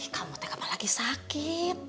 kamu tegak apa lagi sakit